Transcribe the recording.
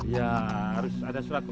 ya harus ada surat